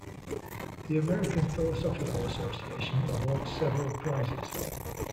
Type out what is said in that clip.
The American Philosophical Association awards several prizes.